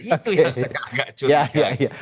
itu yang agak cuci